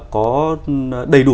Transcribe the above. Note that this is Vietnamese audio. có đầy đủ